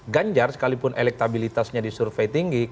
ganjar sekalipun elektabilitasnya di survei tinggi